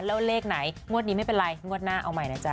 แล้วเลขไหนงวดนี้ไม่เป็นไรงวดหน้าเอาใหม่นะจ๊